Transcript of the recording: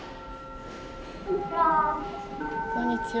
こんにちは。